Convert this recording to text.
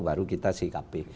baru kita sikapi